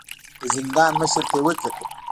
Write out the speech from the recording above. د زندان مشر ته يې وکتل.